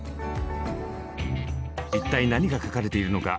一体何が書かれているのか？